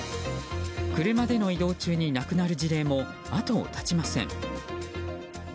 車での移動中に亡くなる事例も後を絶ちません。